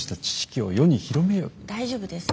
大丈夫です。